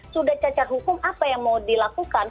sudah cacat hukum apa yang mau dilakukan